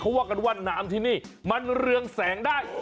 ว่ากันว่าน้ำที่นี่มันเรืองแสงได้